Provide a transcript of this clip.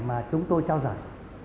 mà chúng tôi trao giải